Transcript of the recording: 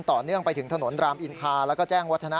ต่อเนื่องไปถึงถนนรามอินทาแล้วก็แจ้งวัฒนะ